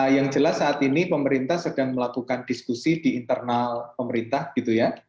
yang jelas saat ini pemerintah sedang melakukan diskusi di internal pemerintah gitu ya